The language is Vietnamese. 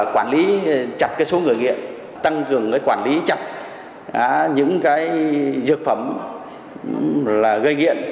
quản lý chặt số người nghiện tăng cường quản lý chặt những dược phẩm gây nghiện